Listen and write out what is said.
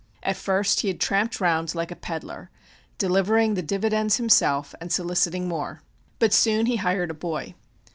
At first he had tramped round, like a pedler, delivering the dividends himself and soliciting more, but soon he hired a boy.